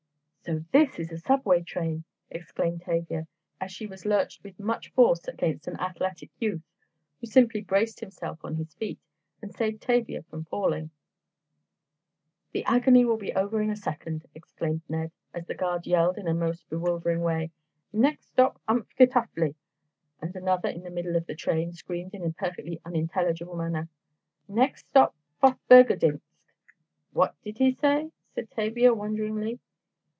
"So this is a subway train," exclaimed Tavia, as she was lurched with much force against an athletic youth, who simply braced himself on his feet, and saved Tavia from falling. "The agony will be over in a second," exclaimed Ned, as the guard yelled in a most bewildering way, "next stop umphgetoughly!" and another in the middle of the train, screamed in a perfectly unintelligent manner, "next stop fothburgedinskt!" "What did he say?" said Tavia, wonderingly.